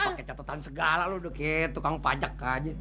lu pakai catatan segala lu dukit tukang pajak aja